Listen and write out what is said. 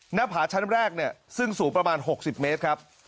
หน้าผาชั้นแรกเนี่ยซึ่งสูงประมาณ๖๐เมตรครับ